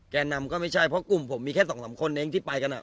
แก่นำก็ไม่ใช่เพราะกลุ่มผมมีแค่สองสามคนเองที่ไปกันอ่ะ